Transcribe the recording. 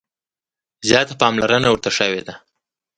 زیاته پاملرنه ورته شوې ده.